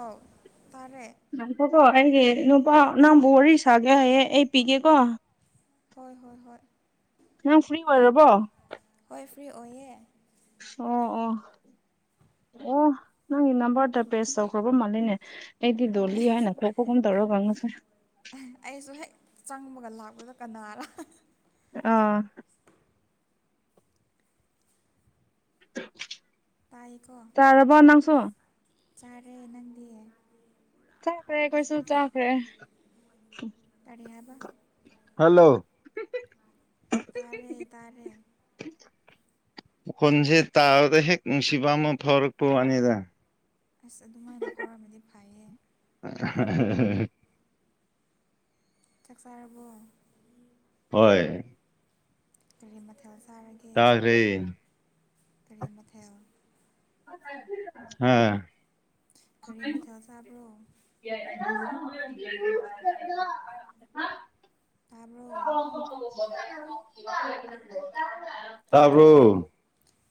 ꯑꯧ ꯇꯥꯔꯦ ꯅꯀꯣ ꯑꯩꯒꯤ ꯅꯨꯄꯥ ꯅꯪꯕꯨ ꯋꯥꯔꯤ ꯁꯥꯒꯦ ꯍꯥꯏꯌꯦꯦ ꯑꯩ ꯄꯤꯒꯦꯀꯣ ꯍꯣꯏ ꯍꯣꯏ ꯍꯣꯏ ꯅꯪ ꯐ꯭ꯔꯤ ꯑꯣꯏꯔꯕꯣ ꯍꯣꯏ ꯐ꯭ꯔꯤ ꯑꯣꯏꯌꯦ ꯑꯣ ꯑꯣ ꯑꯣ ꯅꯪꯒꯤ ꯅꯝꯕꯔꯗ ꯄꯦꯁ ꯇꯧꯈ꯭ꯔꯕ ꯃꯥꯜꯂꯤꯅꯦ ꯑꯩꯗꯤ ꯗꯣꯂꯤ ꯍꯣꯏ ꯍꯥꯏꯅ ꯈꯣꯄꯒꯨꯝ ꯇꯧꯔꯒ ꯐꯪꯉꯁꯦ ꯑꯩꯁꯨ ꯍꯦꯛ ꯆꯪꯕꯒ ꯂꯥꯛꯄꯗ ꯀꯅꯥꯔ ꯑꯥ [unintelligible] ꯇꯥꯏꯀꯣ ꯆꯥꯔꯕꯣ ꯅꯪꯁꯨ ꯆꯥꯔꯦ ꯅꯪꯗꯤ ꯆꯥꯈ꯭ꯔꯦ ꯑꯩꯈꯣꯏꯁꯨ ꯆꯥꯈ꯭ꯔꯦ ꯀꯔꯤ ꯍꯥꯏꯕ ꯍꯜꯂꯣ ꯇꯔꯦ ꯇꯔꯦ ꯍꯣꯟꯁꯦ ꯇꯥꯕꯗ ꯍꯦꯛ ꯅꯨꯡꯁꯤꯕ ꯑꯃ ꯐꯥꯎꯔꯛꯄ ꯋꯥꯅꯤꯗ ꯑꯁ ꯑꯗꯨꯃꯥꯏꯅ ꯐꯥꯎꯔꯝꯃꯗꯤ ꯐꯩꯌꯦ [inaudible] ꯆꯥꯛ ꯆꯥꯔꯕꯣ ꯍꯣꯏ ꯀꯔꯤ ꯃꯊꯦꯜ ꯆꯥꯔꯒꯦ ꯆꯥꯈ꯭ꯔꯦ ꯀꯔꯤ ꯃꯊꯦꯜ ꯍꯥ ꯀꯔꯤ ꯃꯊꯜ ꯆꯥꯕ꯭ꯔꯣ [inaudible] ꯇꯥꯕ꯭ꯔꯣ [unintelligible] ꯇꯥꯗ꯭ꯔꯣ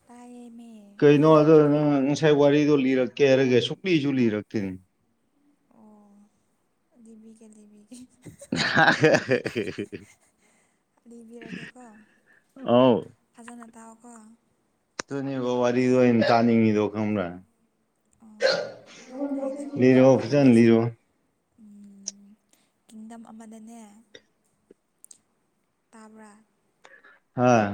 ꯇꯥꯏꯌꯦꯃꯦ ꯀꯩꯅꯣ ꯑꯗꯣ ꯅꯪ ꯉꯁꯥꯏ ꯋꯥꯔꯤꯗꯣ ꯂꯤꯔꯛꯀꯦ ꯍꯥꯏꯔꯒꯦ ꯁꯨꯛꯂꯤꯁꯨ ꯂꯤꯔꯛꯇꯦꯅꯦ ꯑꯣ ꯂꯤꯕꯤꯒꯦ ꯂꯤꯕꯤꯒꯦ [inaudible] ꯑꯗꯤꯔꯤꯔꯒꯦꯀꯣ ꯑꯧ ꯐꯖꯅ ꯇꯥꯎꯑꯣ ꯀꯣ ꯑꯗꯨꯅꯤꯕꯥ ꯋꯥꯔꯤ ꯋꯥꯔꯤꯗꫭ ꯑꯩꯅꯥ ꯇꯥꯅꯤꯡꯉꯗꯣ ꯈꯪꯉꯕꯔ ꯑꯣ ꯍꯣꯏꯗ ꯂꯤꯔꯛꯑꫭ ꯐꯖꯅ ꯂꯤꯔꯣ ꯑꯝ ꯀꯤꯡꯗꯝ ꯑꯃꯗꯅꯦ ꯇꯥꯕ꯭ꯔꯥ꯫ ꯑꯥ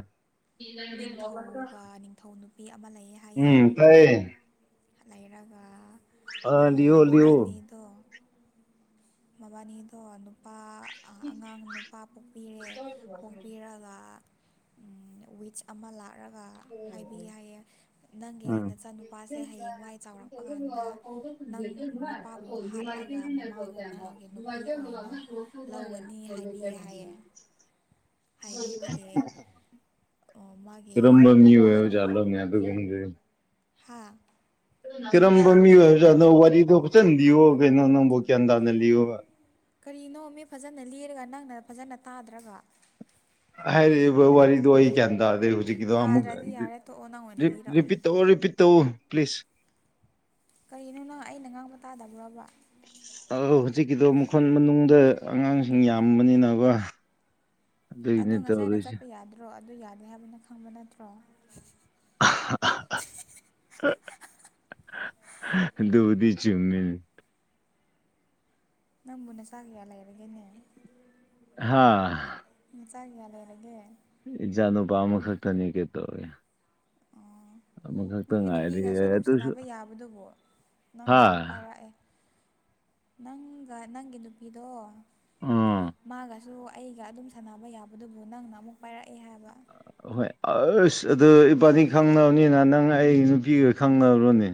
ꯅꯤꯡꯊꯧꯒꯥ ꯅꯤꯡꯊꯧ ꯅꯨꯄꯤ ꯑꯃ ꯂꯩꯌꯦ ꯍꯥꯏꯌꯦ꯫ ꯎꯝ ꯇꯥꯏꯌꯦ ꯂꯩꯔꯥ ꯂꯩꯔꯥꯒ ꯑ ꯂꯤꯌꯣ ꯂꯤꯌꯣ ꯃꯕꯥꯅꯤꯗꯣ ꯃꯕꯥꯅꯤꯗꯣ ꯅꯨꯄꯥ ꯑꯥ ꯑꯉꯥꯡ ꯅꯨꯄꯥ ꯄꯣꯛꯄꯤꯔꯦ ꯄꯣꯛꯄꯤꯔꯒꯥ ꯑꯃꯥ ꯂꯥꯛꯑꯒ ꯍꯥꯏꯕꯤꯒ° ꯌꯥꯏꯌꯦ ꯅꯪꯒꯤ ꯎꯝ ꯅꯆꯥꯅꯨꯄꯥꯁꯦ ꯍꯌꯦꯡꯋꯥꯏ ꯆꯥꯎꯔꯛꯄ ꯀꯥꯟꯗ꯫ ꯅꯪ ꯃꯄꯥꯕꯨ ꯍꯥꯠꯂꯒꯥ ꯃꯃꯥꯕꯨ ꯃꯥꯒꯤ ꯅꯨꯄꯤ ꯑꯣꯏꯅꯥ꯫ ꯂꯧꯒꯅꯤ ꯍꯥꯏꯕꯤꯌꯦꯅ ꯍꯥꯏꯌꯦ꯫ ꯍꯥꯏꯕꯤꯕꯒꯤ ꯑꯥ ꯃꯥꯒꯤ ꯀꯤꯔꯝꯝꯕ ꯃꯤ ꯑꯣꯏ ꯃꯄꯥꯅ ꯋꯥꯠꯅꫭꯅ° ꯑꯩꯁꯨ ꯈꯪꯗꯦ ꯍꯥꯥ ꯀꯔꯝꯕ ꯃꯤ ꯍꯥꯏꯕꯖꯥꯠꯅꯣ ꯋꯥꯔꯤꯗꯣ ꯐꯖꯅ ꯂꯤꯌꯣ ꯀꯩꯅꯣ ꯅꯪꯕꯨ꯫ ꯭ꯒꯌꯥꯟ ꯇꯥꯅ ꯂꯤꯌꯣꯕꯥ ꯀꯔꯤꯅꯣ ꯃꯤ ꯐꯖꯅꯥ ꯂꯤꯔꯒ ꯅꯪꯅꯥ ꯐꯖꯅꯥ ꯇꯥꯗ꯭ꯔꯒꯥ꯫ ꯍꯥꯏꯔꯤꯕꯥ ꯋꯥꯔꯤꯗꯨ ꯑꯩ ꯒꯌꯥꯟ ꯇꯥꯗꯦ ꯍꯧꯖꯤꯛꯀꯤꯗꯣ ꯑꯃꯨꯛ ꯇꯥꯗ꯭ꯔꯗꯤ ꯌꯥꯔꯦ ꯇꯣꯛꯑꯣ ꯅꯪ ꯑꯣꯏꯅ ꯂꯤꯔꯛꯑꯣ ꯔꯤꯄꯤ ꯇꯧꯑꫭ ꯔꯤꯄꯤꯠ ꯇꯧꯎ ꯄ꯭ꯂꯤꯁ꯫ ꯀꯔꯤꯅꯣ ꯅꯪ ꯑꯩꯅ ꯉꯥꯡꯕ ꯇꯥꯗꯕ꯭ꯔꫭꯕꯥ꯫ ꯑꯧ ꯍꯧꯖꯤꯛꯀꯤꯗꯣ ꯃꯈꯣꯟ ꯃꯅꯨꯡꯗ ꯑꯉꯥꯡꯁꯤꯡ ꯌꯥꯝꯕꯅꯤꯅ ꯀꯣ꯫ ꯑꯗꯨ ꯉꯁꯥꯏꯅ ꯆꯠꯄ ꯌꯥꯗ꯭ꯔꯣ ꯑꯗꯨ ꯌꯥꯗꯦ ꯍꯥꯏꯕꯗꯨ ꯅꯪ ꯈꯪꯕ ꯅꯠꯇ꯭ꯔꯣ ꯑꯗꯨꯕꯨꯗꯤ ꯆꯨꯝꯃꯤꯅꯤ ꯅꯪꯕꯨ ꯅꯆꯥ ꯀꯥꯌꯥ ꯂꯩꯔꯒꯦꯅꯦ ꯍꯥꯥ ꯅꯆꯥꯀꯌꯥ ꯂꯩꯔꯒꯦ‌꯫ ꯏꯆꯥ ꯅꯨꯄꯥ ꯑꯃ ꯈꯛꯇꯅꯤ ꯀꯩꯗꯧꯔ° ꯑꯣ ꯅꯪꯒꯤ ꯅꯨꯄꯤꯒꯁꯨ ꯑꯗꯨꯝ ꯁꯥꯟꯅꯁꯨ ꯌꯥꯕꯗꯨꯕꯨ ꯍꯥ ꯅꯪꯅꯥ ꯑꯃꯨꯛ ꯄꯥꯏꯔꯛꯑꯦ ꯅꯪꯒꯥ ꯅꯪꯒꯤ ꯅꯨꯄꯤꯗꯣ ꯃꯥꯒꯥ꯫ ꯎꯝ ꯃꯥꯒꯁꯨ ꯑꯗꯨꯝ ꯁꯥꯟꯅꯕ ꯌꯥꯕꯗꯨꯕꯨ ꯅꯪꯅ ꯑꯃꯨꯛ ꯄꯥꯏꯔꯛꯑꯦ ꯍꯥꯏꯕꯥ꯫ ꯑꯍꯣꯏ ꯑꯥꯁ ꯑꯗꯨ ꯏꯕꯥꯅꯤ ꯈꯪꯅꯕꯅꯤꯅ ꯅꯪ ꯑꯩ ꯅꯨꯄꯤꯒꯥ ꯈꯪꯅꯔꯣꯅꯦ꯫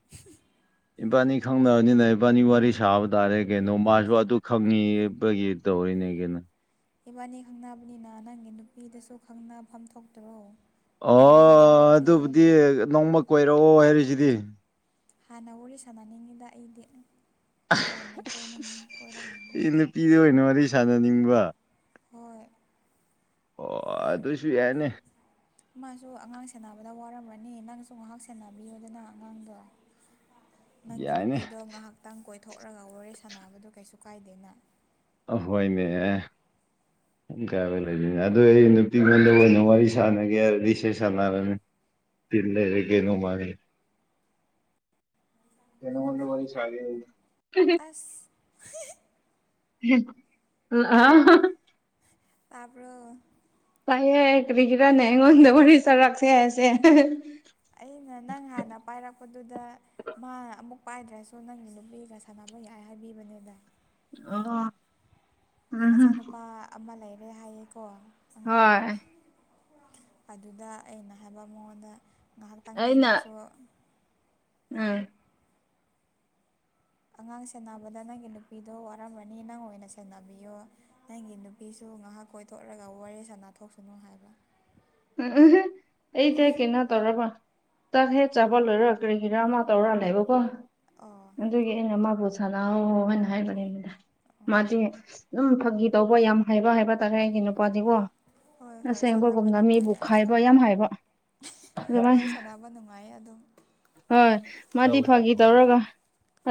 [inaudible] ꯏꯕꯥꯅꯤ ꯈꯪꯅꯕꯅꯤꯅ ꯏꯕꯥꯅꯤ ꯋꯥꯔꯤ ꯁꯥꯕ ꯇꯥꯔꯦ ꯀꯩꯅꯣ ꯃꯥꯁꯨ ꯑꯗꯨ ꯈꯪꯏꯕꯒꯤ꯫ ꯇꯧꯔꯤꯅꯦ ꯀꯩꯅꫭ꯫ ꯏꯕꯥꯅꯤ ꯈꯪꯅꯕꯅꯤꯅꯥ ꯅꯪꯒꯤ ꯅꯨꯄꯤꯗꯨꯁꯨ ꯈꯪꯅꯐꯝ ꯊꯣꯛꯇꯔꯣ꯫ ꯑꯩꯉꯣꯟꯗꯒꯤ ꯂꯣꯠꯀ° ꯍꯥꯏꯔꫭ꯫ ꯅꯣꯡꯃꯥ ꯀꯣꯏꯔꯛ ꯑꯣ ꯍꯥꯏꯔꯤ ꯁꯤꯗꯤ꯫ ꯍꯥꯟꯅꯥ ꯋꯥꯔꯤ ꯁꯥꯟꯅꯤꯡꯉꯤꯕꯥ ꯑꯩꯗꯤ ꯀꯣꯅ ꯑꯩꯅꯤꯡꯉꯤ ꯀꫭꯏꯔꯛ ꯈꯤꯅꯤ ꯑꯩ ꯅꯨꯄꯤꯗ ꯑꯣꯏꯅ ꯋꯥꯔꯤ ꯁꯥꯟꯅꯅꯤꯡꯕ ꯍꯣꯏ ꯑꯣꯑ ꯑꯗꯨꯁꯨ ꯌꯥꯏꯅꯦ꯫ ꯃꯥꯁꯨ ꯑꯉꯥꯡ ꯁꯦꯟꯅꯕꯗꯥ ꯋꯥꯔꯝꯃꯅꯤ ꯅꯪꯁꯨ ꯉꯥꯏꯍꯥꯛ ꯁꯦꯟꯅꯕꯤꯌꯨꯗꯅꯥ ꯑꯉꯥꯡꯗꯣ꯫ ꯅꯪꯒꯤ ꯌꯥꯏꯅꯦ ꯅꯨꯄꯤꯗꯨ ꯉꯥꯏꯍꯥꯛꯇꯪ ꯀꯣꯏꯊꯣꯛꯂꯒꯥ ꯋꯥꯔꯤ ꯁꯥꯟꯅꯕꯗꯣ ꯀꯩꯁꯨ ꯀꯥꯏꯗꯦꯅꯥ ꯑꯥ ꯍꯣꯏꯅ° ꯄꯨꯜ ꯀꯌꯥꯗ ꯂꫭꯏꯗꫭꯏꯅꫭ ꯑꯗꫭ ꯑꯩ ꯅꯨꯄꯤꯉꯣꯟꯗ ꯑꯣꯏꯅ ꯋꯥꯔꯤ ꯁꯥꯟꯅꯒꯦ ꯍꯥꯏꯔꯗꯤ ꯁꯤ ꯁꯥꯟꯅꯔꯅ° ꯇꯥꯜꯂꯦ ꯂꯩ ꯀꯦꯅꯨꯡ ꯃꯥꯥꯡ ꯀꯩꯅꯣ ꯃ ꯋꯥꯔꯤ ꯆ ꯑꯁ ꯍꯤ ꯍꯤ [inaudible] ꯇꯥꯕ꯭ꯔꯣ ꯂꯥꯛꯌꯦ ꯀꯕꯤꯔꯅꯦ ꯑꯩꯉꯣꯟꯗ ꯋꯥꯔꯤ ꯆꯔꯥꯛꯁꯦꯁꯦ ꯑꯩꯅ ꯅꯪ ꯍꯥꯟꯅ ꯄꯥꯏꯔꯛꯄꯗꯨꯗ ꯃꯥ ꯑꯃꯨꯛ ꯄꯥꯏꯗ꯭ꯔꯁꯨ ꯅꯪꯒꯤ ꯅꯨꯄꯤꯒꯥ ꯁꯥꯟꯅꯕꯥ ꯌꯥꯏ ꯍꯥꯏꯕꯤꯕꯅꯤꯗꯥ ꯑ [inaudible] ꯃꯆꯥꯅꯨꯄꯥ ꯑꯃ ꯂꯩꯔꯦ ꯍꯥꯏꯌꯦꯀꯣ ꯑꯉꯥꯡ ꯍꯣꯏ ꯑꯗꯨꯗ ꯑꯩꯅ ꯍꯥꯏꯕ ꯃꯉꯣꯟꯗ ꯉꯥꯏꯍꯥꯛꯇꯪꯗꯤ ꯑꯩꯅ ꯅꯪꯁꯨ ꯑꯥ ꯎꯝ ꯑꯉꯥꯡ ꯁꯦꯟꯅꯕꯗ ꯅꯪꯒꯤ ꯅꯨꯄꯤꯗꯣ ꯋꯥꯔꯝꯃꯅꯤ ꯅꯪ ꯑꯣꯏꯅ ꯁꯦꯟꯅꯕꯤꯌꯣ ꯅꯪꯒꯤ ꯅꯨꯄꯤꯁꯨ ꯉꯥꯏꯍꯥꯛ ꯀꯣꯏꯊꯣꯛꯂꯒ ꯋꯥꯔꯤ ꯁꯥꯟꯅ ꯊꯣꯛꯁꯅꯨ ꯍꯥꯏꯕ ꯑꯩꯇ ꯀꯩꯅ ꯇꯧꯔꯔꯕ ꯇꯥꯛ ꯍꯦꯛ ꯆꯥꯕ ꯂꯣꯢꯔ ꯍꯤꯔꯥ ꯑꯃ ꯇꯧꯔ ꯂꯩꯕꯀꯣ ꯑꯥ ꯑꯗꯨꯒꯤ ꯑꯩꯅ ꯃꯥꯕꯨ ꯁꯥꯟꯅꯍꯧ ꯍꯥꯏꯅ ꯍꯥꯏꯕꯅꯦꯗ ꯎꯝ ꯃꯥꯗꯤ ꯑꯗꯨꯝ ꯐꯥꯒꯤ ꯇꯧꯕ ꯌꯥꯝ ꯍꯥꯏꯕ ꯍꯥꯏꯕ ꯇꯥꯔꯦ ꯑꯩꯒꯤ ꯅꯨꯄꯥꯁꯤꯕꯣ ꯍꯣꯏ ꯍꯣꯏ ꯁꯥꯟꯅꯕ ꯅꯨꯡꯉꯥꯏ ꯅꯨꯡ ꯑꯗꯨꯝ ꯌꯥꯝ ꯍꯥꯏꯕ ꯍꯣꯏ ꯑꯗꯨꯃꯥꯏꯅ ꯁꯥꯟꯅꯕ ꯅꯨꯡꯉꯥꯏꯌꯦ ꯑꯗꯨꯝ ꯍꯣꯏ ꯃꯥꯗꯤ ꯐꯥꯒꯤ ꯇꯧꯔꯒ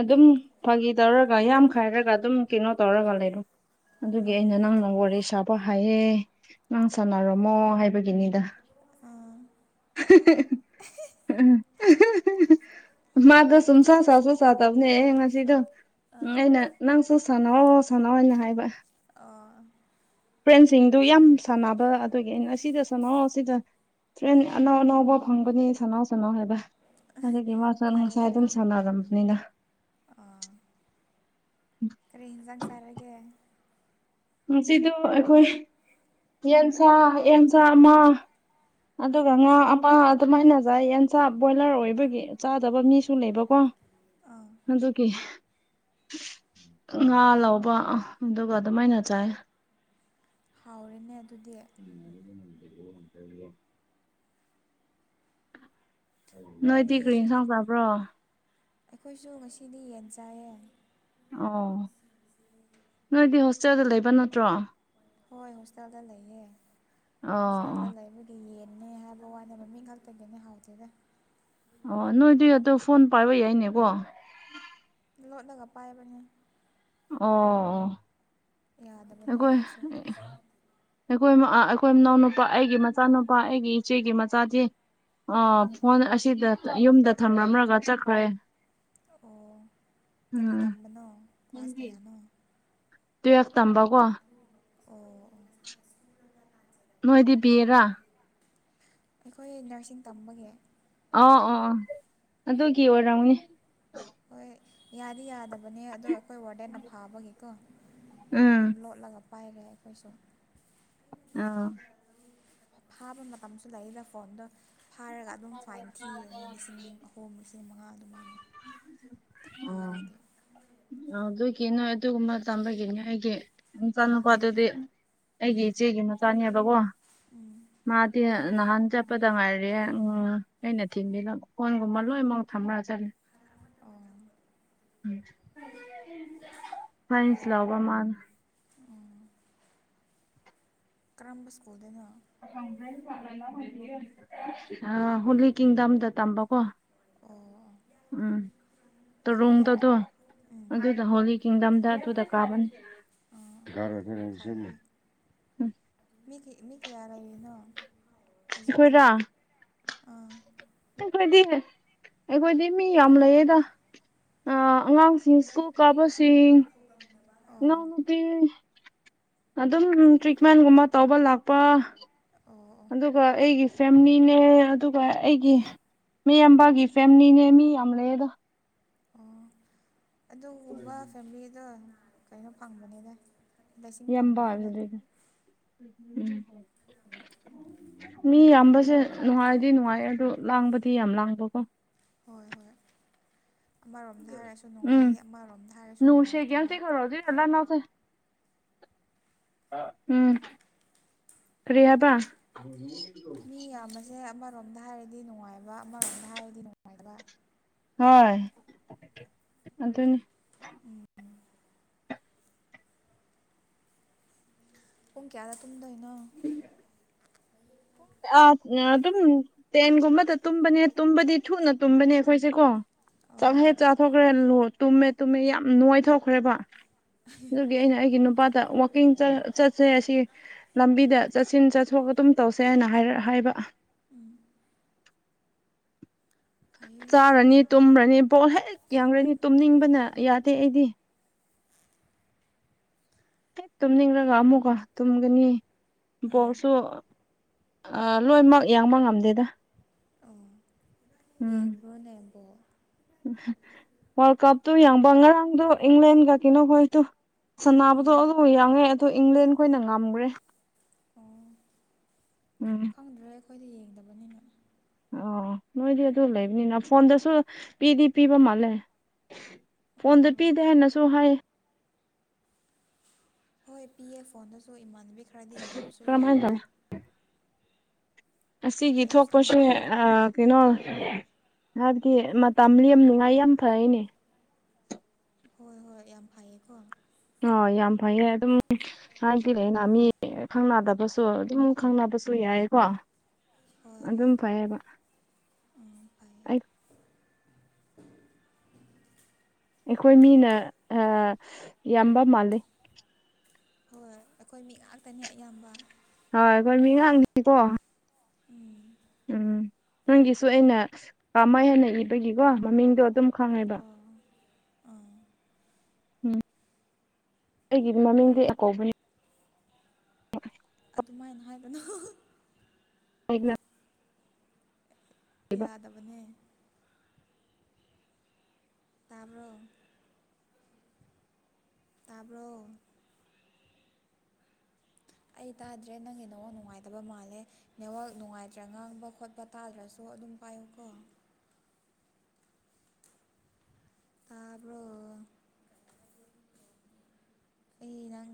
ꯑꯗꯨꯝ ꯐꯥꯒꯤ ꯇꯧꯔꯒ ꯌꯥꯝ ꯈꯥꯏꯔꯒ ꯑꯗꯨꯝ ꯀꯩꯅꯣ ꯇꯧꯔꯒ ꯂꯩꯕꯅꯦ ꯑꯗꯨꯒꯤ ꯑꯩꯅ ꯅꯪꯅ ꯋꯥꯔꯤ ꯁꯥꯕ ꯍꯥꯏꯌꯦꯦ ꯅꯪ ꯁꯥꯟꯅꯔꯝꯃꯣ ꯍꯥꯏꯕ ꯒꯤꯅꯤꯗ ꯎꯝ [inaudible] ꯃꯥꯒꯁꯨ ꯎꯝ ꯁꯥ ꯁꯥꯥꯎ ꯁꯣ ꯁꯥ ꯇꯝꯅꯦ ꯑꯦ ꯉꯁꯤꯗ ꯑꯩꯅ ꯅꯪꯁꯨ ꯁꯥꯟꯅꯧꯑꯣ ꯁꯥꯟꯅꯣ ꯍꯥꯏꯅ ꯍꯥꯏꯕ ꯑꯣ ꯐ꯭ꯔꯦꯟꯁꯤꯡꯗꯨ ꯌꯥꯝ ꯁꯥꯟꯅꯕ ꯑꯗꯨꯒꯤ ꯑꯩꯅ ꯑꯁꯤꯗ ꯁꯅꯣ ꯁꯤꯗ ꯇ꯭ꯔꯦꯟ ꯑꯅꯧ ꯑꯅꯧꯕꯕ ꯐꯪꯕꯅꯤ ꯁꯅꯥꯎ ꯁꯅꯥꯎ ꯍꯥꯏꯕ ꯑꯗꯨꯗꯒꯤ ꯃꯥ ꯁ ꯉꯁꯥꯏ ꯑꯗꯨꯝ ꯁꯥꯟꯅꯔꯝꯕꯅꯤꯅ ꯑꯥ ꯀꯔꯤ ꯌꯦꯟꯁꯥꯡ ꯆꯥꯔꯒꯦ ꯉꯗꯣ ꯑꯩꯈꯣꯏ ꯌꯦꯟꯁꯥ ꯌꯦꯟꯁꯥ ꯑꯃ ꯑꯗꯨꯒ ꯉꯥ ꯑꯃ ꯑꯗꯨꯃꯥꯏꯅꯖꯥꯏ ꯌꯦꯟꯁꯥ ꯕꯣꯏꯂꯔ ꯑꯣꯏꯕꯒꯤ ꯆꯥꯗꯕ ꯃꯤꯁꯨ ꯂꯩꯕ ꯀꯣ ꯑꯗꯧꯒꯤ ꯉꯥ ꯂꯧꯕ ꯑꯗꯨꯒ ꯑꯗꯨꯃꯥꯏꯅ ꯆꯥꯏ ꯍꯥꯎꯋꯤꯅꯦ ꯑꯗꯨꯗꯤ [unintelligible] ꯅꯣꯏꯗꯤ ꯃꯤ ꯀꯔꯤ ꯌꯦꯟꯁꯥꯡ ꯆꯥꯕ꯭ꯔꯣ ꯑꯩꯈꯣꯏꯁꯨ ꯉꯁꯤꯗꯤ ꯌꯦꯟ ꯆꯥꯏꯌꯦ ꯑꯣ ꯅꯣꯏꯗꯤ ꯍꯣꯁꯇꯦꯜꯗ ꯂꯩꯕ ꯅꯠꯇ꯭ꯔꯣ ꯍꯣꯏ ꯍꯣꯁꯇꯥꯦꯜꯗ ꯂꯩꯌꯦ ꯑꯣ ꯍꯣꯁꯄꯤꯇꯥꯦꯜꯗ ꯂꯩ ꯌꯦꯟꯅꯦ ꯍꯥꯏꯕ ꯋꯥꯅꯦꯕ ꯃꯤꯡ ꯉꯥꯛꯇꯒꯤꯅꯦ ꯍꯥꯎꯗꯦꯗ ꯑꯣ ꯅꯣꯏꯗꯤ ꯑꯗ ꯐꯣꯟ ꯄꯥꯏꯕ ꯌꯥꯏꯅꯦꯀꯣ ꯂꯣꯠꯂꯒ ꯄꯥꯏꯕꯅꯦ ꯑꯣ ꯌꯥꯗꯕꯅꯦ ꯑꯩꯈꯣꯏ ꯑꯩꯈꯣꯏꯁꯨ ꯑꯩꯈꯣꯏ ꯑꯩꯈꯣꯏ ꯏꯅꯥꯎꯅ ꯅꯨꯄꯥ ꯑꯩꯒꯤ ꯃꯆꯥꯅꯨꯄꯥ ꯑꯩꯒꯤ ꯏꯆꯦꯒꯤ ꯃꯆꯥꯗꯤ ꯑꯥ ꯐꯣꯟ ꯑꯁꯤꯗ ꯌꯨꯝꯗ ꯊꯝꯂꯝꯝꯂ꯭ꯔꯒ ꯆꯠꯈ꯭ꯔꯦ ꯑꯣ ꯀꯔꯤ ꯎꯝ ꯇꯝꯕꯅꯣ ꯄꯥꯁꯇꯌꯥꯅꯣ ꯇꯨꯌꯦꯐ ꯇꯝꯕ ꯀꯣ ꯑꯣ ꯑꯣ ꯅꯣꯏꯗꯤ ꯕꯤꯔꯥ꯫ ꯑꯩꯈꯣꯏ ꯅꯔꯁꯤꯡ ꯇꯝꯕꯒꯤ꯫ ꯑ ꯑꯣ ꯑꯣ ꯑꯗꯨꯒꯤ ꯑꯣꯏꯔꯝꯅꯤ꯫ ꯍꯣꯏ ꯌꯥꯗꯤ ꯌꯥꯗꯕꯅꯦ ꯑꯗꯣ ꯑꯩꯈꯣꯏ ꯋꯥꯔꯗꯦꯟꯅ ꯐꯥꯕꯒꯤꯀꯣ ꯑꯗꯨꯝ ꯎꯝ ꯂꯣꯠꯂꯒ ꯄꯥꯏꯔꯦ ꯑꯩꯈꯣꯏꯁꯨꯨ꯫ ꯑꯥꯎ ꯐꯥꯕ ꯃꯇꯝꯁꯨ ꯂꯩꯅ ꯐꯣꯟꯗ ꯐꯥꯔꯒ ꯑꯗꯨꯝ ꯐꯥꯏꯟ ꯊꯤꯕꯅꯤ ꯂꯤꯁꯤꯡ ꯑꯍꯨꯝ꯫ ꯂꯤꯁꯤꯡ ꯃꯉꯥ ꯑꯗꯨꯃꯥꯏꯅ꯫ ꯎꯝ꯫ ꯐꯥꯔꯗꯤ ꯑꯗꯨꯒꯤ ꯅꯣꯏ ꯑꯗꯨꯒꯨꯝꯕ ꯇꯝꯕꯒꯤꯅꯦ ꯑꯩꯒꯤ ꯅꯆꯥ ꯎꯝ ꯅꯨꯨꯄꯥꯗꯨꯗꯤ ꯑꯩꯒꯤ ꯏꯆꯦꯒꯤ ꯃꯆꯥꯅꯦꯕꯀꯣ꯫ ꯎꯝ ꯃꯥꯗꯤ ꯅꯍꯥꯟ ꯆꯠꯄꯗ ꯉꯥꯏꯔꯌꯦ ꯎꯝ ꯑꯩꯅ ꯊꯤꯟꯕꯤꯕ꯫ ꯃꯣꯏꯒꯨꯝꯕ ꯂꯣꯏꯅꯃꯛ ꯊꯝꯔ ꯆꯠꯂꯦ꯫ ꯑꯣ꯫ ꯁꯥꯟꯁ ꯂꯧꯕ ꯃꯥꯅ꯫ ꯀꯔꯝꯕ ꯁꯀꯨꯜꯗ ꯅꯣ꯫ ꯑꯥ ꯍꯣꯂꯤ ꯀꯤꯡꯗꯝꯗ ꯇꯝꯕꯀꯣ꯫ ꯑꯣ꯫ ꯑꯣ ꯎꯝ꯫ ꯐꯩꯌꯦ ꯇꯔꯨꯡꯗꯗꯣ ꯎꯝ ꯑꯗꯨꯗ ꯍꯣꯂꯤ ꯀꯤꯡꯗꯝꯗ ꯑꯗꯨꯗ ꯀꯥꯕꯅꯤ꯫ [inaudible] ꯃꯤꯒꯤ ꯃꯤ ꯀꯌꯥ ꯂꯩꯔꯤꯅꯣ ꯍꯧꯖꯤꯛꯇꯤ ꯑꯩꯈꯣꯏꯔꯥ ꯑꯥ꯫ ꯈꯣꯏꯗꯤ ꯑꯩꯈꯣꯏꯗꯤ ꯃꯤ ꯌꯥꯝ ꯂꯩꯌꯦꯗ꯫ ꯑ ꯑꯉꯥꯡꯁꯤꯡ ꯁ꯭ꯀꯨꯜ ꯀꯥꯕꯁꯤꯡ꯫ [inaudible] ꯏꯅꯥꯎꯅꯨꯄꯤ ꯑꯗꯨꯝ ꯇ꯭ꯔꯤꯠꯃꯦꯟꯒꯨꯝꯕ ꯇꯧꯕ ꯂꯥꯛꯄ꯫ ꯑꯣ꯫ ꯑꯗꯨꯒ ꯑꯩꯒꯤ ꯐꯦꯃꯤꯂꯤꯅꯦ ꯑꯗꯨꯒ ꯑꯩꯒꯤ ꯃꯤ ꯑꯝꯕꯥꯒꯤ ꯐꯦꯃꯤꯂꯤꯅꯦ ꯃꯤ ꯌꯥꯝ ꯂꯩꯌꯦꯗ꯫ ꯑꯣ ꯑꯗꯨꯒꯨꯝꯕ ꯐꯦꯃꯤꯂꯤꯗꯣ ꯀꯩꯅꯣ ꯐꯪꯕꯅꯤꯗ ꯏꯁꯤꯡ ꯏꯌꯥꯝꯕ ꯐꯪꯕꯅꯤꯗ꯫ ꯍꯥꯏꯕꯗꯨꯗꯤ [unintelligible] ꯎꯝ꯫ ꯃꯤ ꯌꯥꯝꯕꯁꯦ ꯅꯨꯡꯉꯥꯏꯗꯤ ꯅꯨꯡꯉꯥꯏ ꯑꯗꯨ ꯂꯥꯡꯕꯗꯤ ꯌꯥꯝ ꯂꯥꯡꯕꯀꯣ꯫ ꯍꯣꯏ ꯍꯣꯏ ꯑꯃꯔꯣꯝꯗ ꯍꯥꯏꯔꯁꯨ ꯎꯝ ꯅꯨꯡꯉꯥꯏꯌꯦ ꯑꯃꯔꯣꯝꯗ ꯍꯥꯏꯔꯁꯨ ꯅꯨꯡꯁꯦ ꯅꯨꯡꯉꯥꯏꯇꯕ꯫ [inaudible] ꯎꯝ ꯀꯔꯤꯍꯥꯏꯕꯥ꯫ ꯃꯤ ꯌꯥꯝꯕꯁꯦ ꯑꯃꯔꯣꯝꯗ ꯍꯥꯏꯔꯗꯤ ꯅꯨꯡꯉꯥꯏꯕ ꯑꯃꯔꯣꯝꯗ ꯍꯥꯏꯔꯗꯤ ꯅꯨꯡꯉꯥꯏꯇꯕ꯫ ꯍꯣꯏ ꯑꯗꯨꯅꯤ꯫ ꯄꯨꯡ ꯀꯌꯥꯗ ꯇꯨꯝꯗꯣꯏꯅꯣ꯫ ꯑ ꯑꯗꯨꯝ ꯇꯦꯟꯒꯨꯝꯕꯗ ꯇꯨꯝꯕꯅꯦ ꯇꯨꯝꯕꯗꯤ ꯊꯨꯅ ꯇꯨꯝꯕꯅꯦ ꯑꯩꯈꯣꯏꯁꯦ ꯀꯣ꯫ ꯆꯥꯛ ꯑꯣ ꯍꯦꯛ ꯆꯥꯊꯣꯛꯈ꯭ꯔꯦ ꯂꯨ ꯇꯨꯝꯃꯦ ꯇꯨꯝꯃꯦ ꯌꯥꯝ ꯅꯣꯏꯊꯣꯛꯈ꯭ꯔꯦꯕ꯫ ꯑꯗꯨꯒꯤ ꯑꯩꯅ ꯑꯩꯒꯤ ꯅꯨꯄꯥꯗ ꯋꯥꯛꯀꯤꯡ ꯆꯠꯁꯦ ꯑꯁꯤ ꯂꯝꯕꯤꯗ ꯆꯠꯁꯤꯟ ꯆꯠꯊꯣꯛ ꯑꯗꯨꯝ ꯇꯧꯁꯦ ꯍꯥꯏꯅ ꯍꯥꯏꯕ꯫ ꯐꯩꯌꯦ ꯆꯥꯔꯅꯤ ꯇꯨꯝꯔꯅꯤ ꯕꯣꯜ ꯍꯦꯛ ꯌꯥꯡꯔꯅꯤ ꯇꯨꯝꯅꯤꯡꯕꯅ ꯌꯥꯗꯦ ꯑꯩꯗꯤ꯫ ꯍꯦꯛ ꯇꯨꯝꯅꯤꯡꯂꯒ ꯑꯃꯨꯛꯀ ꯇꯨꯝꯒꯅꯤ ꯎꯝ ꯕꯣꯔꯁꯨ ꯑ ꯂꯣꯏꯅꯃꯛ ꯌꯦꯡꯕ ꯉꯝꯗꯦꯗ꯫ ꯑꯣ꯫ ꯎꯝ ꯌꯦꯡꯕꯔꯣꯅꯦ ꯕꯣꯜ꯫ ꯋꯥꯔꯜ ꯀꯞꯇꯣ ꯌꯥꯡꯕ ꯉꯔꯥꯡꯗꯣ ꯏꯪꯂꯦꯟꯒ ꯀꯩꯅꯣ ꯍꯣꯏꯗꯣ꯫ ꯁꯅꯕꯗꯣ ꯑꯗꯨꯕꯨ ꯌꯥꯡꯉꯦ ꯑꯗꯨ ꯏꯪꯂꯦꯟ ꯈꯣꯏꯅ ꯉꯝꯈ꯭ꯔꯦ꯫ ꯎꯝ ꯈꯪꯗ꯭ꯔ ꯑꯩꯈꯣꯏꯗ ꯌꯦꯡꯗꯕꯅꯤꯅ ꯑꯣ ꯅꯣꯏꯗꯤ ꯑꯗꯨ ꯂꯩꯕꯅꯤꯅ ꯐꯣꯟꯗꯁꯨ ꯄꯤꯗꯤ ꯄꯤꯕ ꯃꯥꯜꯂꯦ ꯐꯣꯟꯗ ꯑꯣ ꯄꯤꯗꯦ ꯍꯥꯏꯅꯁꯨ ꯍꯥꯏ ꯍꯣꯏ ꯄꯤ ꯑꯦ ꯐꯣꯟꯗꯁꯨ ꯏꯃꯥꯟꯅꯕꯤ ꯈꯔꯗꯤ ꯌꯦꯡꯕꯁꯨ ꯀꯔꯝꯍꯥꯏꯅ ꯌꯥꯎꯋꯦ ꯇꯧꯋꯤ ꯑꯁꯤꯒꯤ ꯑꯦꯞꯁ ꯊꯣꯛꯄꯁꯦ ꯑꯃꯀꯣ ꯑꯥ ꯀꯩꯅꯣ ꯍꯥꯏꯕꯗꯤ ꯃꯇꯝ ꯂꯦꯝꯅꯤꯉꯥꯏ ꯌꯥꯝ ꯐꯩꯅꯦ꯫ ꯍꯣꯏ ꯍꯣꯏ ꯌꯥꯝ ꯐꯩꯌꯦꯀꯣ ꯑ ꯌꯥꯝ ꯐꯩꯌꯦ ꯑꯗꯨꯝ ꯍꯥꯏꯗꯤ ꯂꯩꯅ ꯃꯤ ꯈꯪꯅꯗꯕꯁꯨ ꯑꯗꯨꯝ ꯈꯪꯅꯕꯁꯨ ꯌꯥꯏꯀꯣ ꯍꯣꯏ ꯍꯣꯏ ꯑꯗꯨꯝ ꯐꯌꯦꯕ ꯎꯝ ꯐꯩꯌꯦ ꯑꯩ ꯑꯩꯈꯣꯏ ꯃꯤꯅ ꯌꯥꯝꯕ ꯃꯥꯜꯂꯤ ꯍꯣꯏ ꯑꯩꯈꯣꯏ ꯃꯤ ꯉꯥꯛꯇꯅꯦ ꯑꯌꯥꯝꯕ ꯍꯣꯏ ꯀꯃꯤ ꯁꯪꯗꯤ ꯀꯣ ꯎꯝ ꯎꯝ ꯅꯪꯒꯤꯁꯨ ꯑꯩꯅ ꯀꯃꯥꯏ ꯍꯦꯟꯅ ꯏꯕꯒꯤꯀꯣ ꯃꯃꯤꯡꯗꯣ ꯑꯗꯨꯝ ꯈꯪꯉꯦꯕ ꯑꯣ ꯎꯝ ꯑꯩꯒꯤꯗꯤ ꯃꯃꯤꯡꯗꯤ ꯑꯀꯧꯕꯅꯤ ꯑꯗꯨꯃꯥꯏꯅ ꯍꯥꯏꯒꯅꯣ ꯂꯅ [inaudible] ꯌꯥꯗꯕꯅꯦ ꯇꯥꯔꯣ ꯇꯥꯕ꯭ꯔꯣ ꯑꯩ ꯇꯥꯗ꯭ꯔꯦ ꯅꯪꯒꯤ ꯅꯉ ꯅꯨꯡꯉꯥꯏꯇꯕ ꯃꯥꯜꯂꯦ ꯅꯦꯋꯥꯛ ꯅꯨꯡꯉꯥꯏꯇ꯭ꯔꯥ ꯉꯥꯡꯕ ꯈꯣꯠꯄ ꯇꯥꯗ꯭ꯔꯁꯨ ꯑꯗꯨꯝ ꯄꯥꯏꯌꯨꯀꯣ ꯇꯥꯔꯕꯣ ꯑꯩ ꯅꯪ